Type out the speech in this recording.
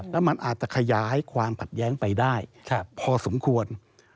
แล้วมันอาจจะขยายความขัดแย้งไปได้พอสมควร